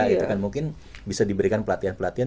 gitu kan mungkin bisa diberikan pelatihan pelatihan